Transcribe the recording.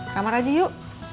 kamar aja yuk